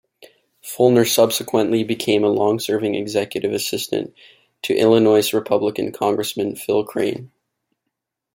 Feulner subsequently became a long-serving executive assistant to Illinois Republican congressman Phil Crane.